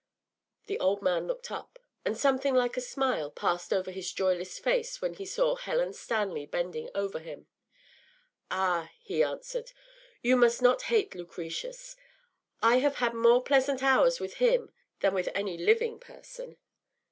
” The old man looked up, and something like a smile passed over his joyless face when he saw Helen Stanley bending over him. “Ah,” he answered, “you must not hate Lucretius. I have had more pleasant hours with him than with any living person.